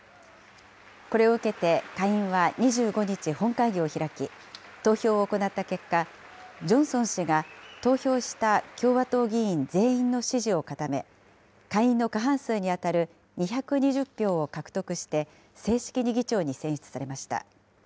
これを受けて下院は２５日、本会議を開き、投票を行った結果、ジョンソン氏が投票した共和党議員全員の支持を固め、下院の過半数に当たる２２０票を獲得して、正式に議長に選出されました。